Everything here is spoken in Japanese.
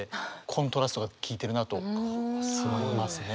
コントラストが効いてるなと思いますね。